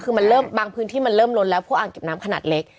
คือมันเริ่มบางพื้นที่มันเริ่มล้นแล้วพวกอ่างเก็บน้ำขนาดเล็ก